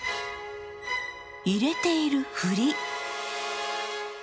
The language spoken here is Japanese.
入れているふり。